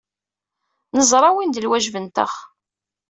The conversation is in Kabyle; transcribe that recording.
Neẓra win d lwajeb-nteɣ.